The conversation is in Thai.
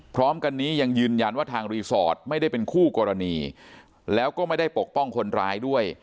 พร้อมกันนี้ยังยืนยันว่าทางรีสอร์ทไม่ได้เป็นคู่กรณีแล้วก็ไม่ได้ปกป้องคนร้ายด้วย